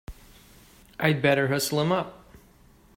I'd better hustle him up!